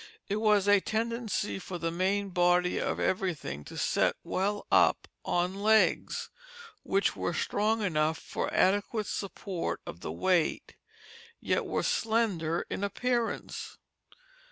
It was a tendency for the main body of everything to set well up, on legs which were strong enough for adequate support of the weight, yet were slender in appearance.